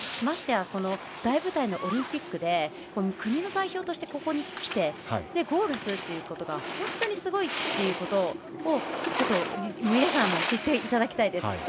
ましてや大舞台のオリンピックで国の代表としてここに来てゴールするということが本当にすごいということを皆さんも知っていただきたいです。